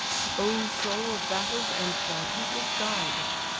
"O soul of battles, and thy people's guide!